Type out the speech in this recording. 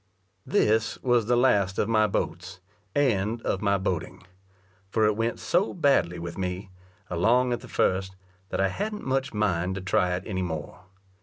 This was the last of my boats, and of my boating; for it went so badly with me, along at the first, that I hadn't much mind to try it any more.